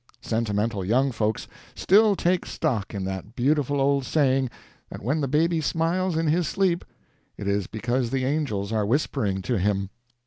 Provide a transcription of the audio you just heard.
Sentimental young folks still take stock in that beautiful old saying that when the baby smiles in his sleep, it is because the angels are whisper ing to him.